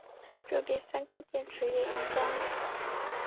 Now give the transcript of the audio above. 这边三颗电池也用光了